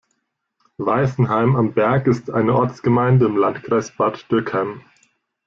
Weisenheim am Berg ist eine Ortsgemeinde im Landkreis Bad Dürkheim.